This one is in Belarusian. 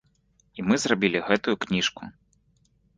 І мы зрабілі гэтую кніжку.